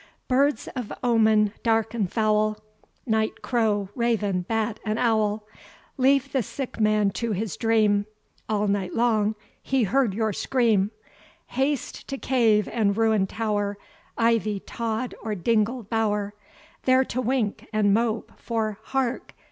"Birds of omen dark and foul, Night crow, raven, bat, and owl, Leave the sick man to his dream All night long he heard your scream Haste to cave and ruin'd tower, Ivy, tod, or dingled bower, There to wink and mope, for, hark!